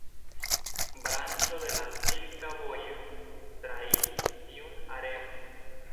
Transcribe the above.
Branĉo de la Silka Vojo trairis tiun areon.